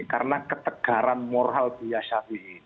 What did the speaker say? karena ketegaran moral buya syafi'i ini